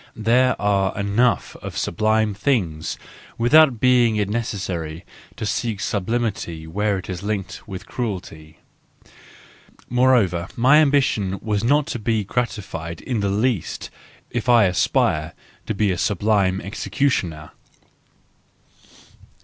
There are enough of sublime things without its being necessary to seek sublimity where it is linked with cruelty; moreover my ambition would not be gratified in the least if I aspired to be a sublime executioner.